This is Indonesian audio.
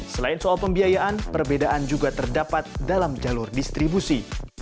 selain soal pembiayaan perbedaan juga terdapat dalam jalur distribusi